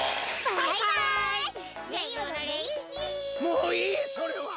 もういいそれは！